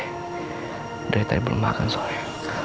dari tadi belum makan soalnya